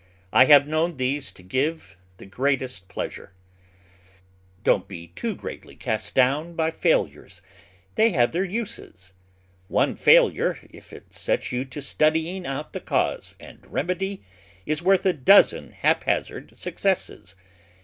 I have known these to give the greatest pleasure. Don't be too greatly cast down by failures; they have their uses. One failure, if it sets you to study ing out the cause and remedy, is worth a dozen hap Digitized by Google Twenty four] jBOtt'tff 2 57 hazard successes.